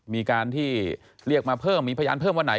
มีการที่เรียกมาเพิ่มมีพยานเพิ่มวันไหน